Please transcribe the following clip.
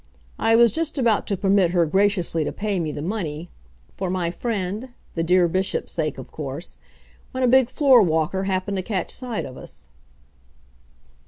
I was just about to permit her graciously to pay me the money, for my friend? the dear Bishop's sake, of course, when a big floor walker happened to catch sight of us.